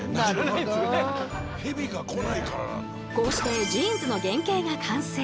こうしてジーンズの原型が完成。